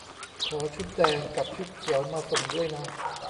ขอชุดแดงกับชุดเขียวมาส่งด้วยนะ